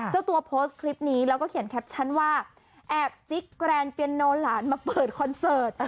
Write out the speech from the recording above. เจ้าตัวโพสต์คลิปนี้แล้วก็เขียนแคปชั่นว่าแอบจิ๊กแกรนดเปียนโนหลานมาเปิดคอนเสิร์ต